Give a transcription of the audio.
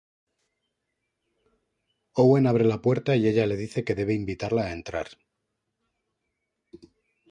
Owen abre la puerta y ella le dice que debe invitarla a entrar.